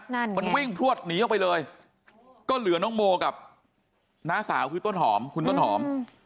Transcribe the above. นั่นมันวิ่งพลวดหนีออกไปเลยก็เหลือน้องโมกับน้าสาวคือต้นหอมคุณต้นหอม